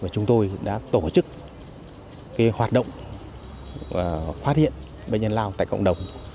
chúng tôi đã tổ chức hoạt động phát hiện bệnh nhân lao tại cộng đồng